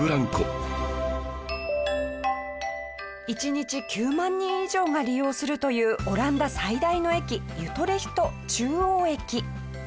１日９万人以上が利用するというオランダ最大の駅ユトレヒト中央駅。